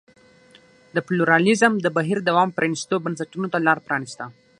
د پلورالېزم د بهیر دوام پرانیستو بنسټونو ته لار پرانېسته.